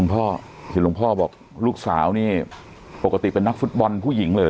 คือหลวงพ่อบอกลูกสาวนี่ปกติเป็นนักฟุตบอลผู้หญิงเลย